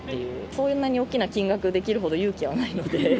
そんなに大きな金額できるほど勇気はないので。